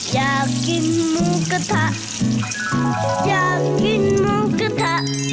อยากกินหมูกระทะ